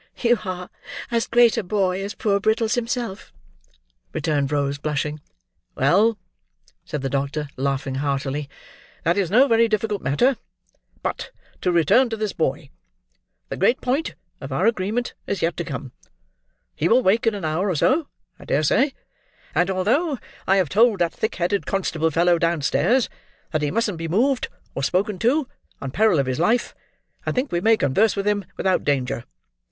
"You are as great a boy as poor Brittles himself," returned Rose, blushing. "Well," said the doctor, laughing heartily, "that is no very difficult matter. But to return to this boy. The great point of our agreement is yet to come. He will wake in an hour or so, I dare say; and although I have told that thick headed constable fellow downstairs that he musn't be moved or spoken to, on peril of his life, I think we may converse with him without danger.